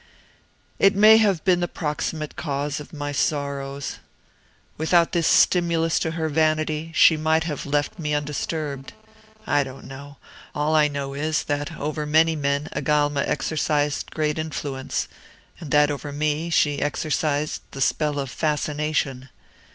"It may have been the proximate cause of my sorrows. Without this stimulus to her vanity, she might have left me undisturbed. I don't know. All I know is, that over many men Agalma exercised great influence, and that over me she exercised the spell of fascination.